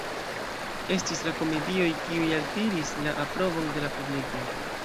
Estis la komedioj kiuj altiris la aprobon de la publiko.